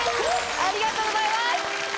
ありがとうございます。